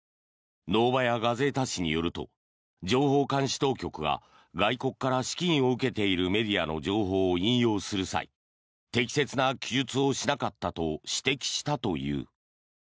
ノーバヤ・ガゼータ紙によると情報監視当局が外国から資金を受けているメディアの情報を引用する際適切な記述をしなかったと指摘したという。